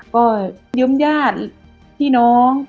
ก็ยืมญาติพี่น้อง